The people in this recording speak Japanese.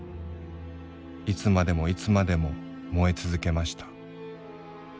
いつまでもいつまでも燃えつゞけました。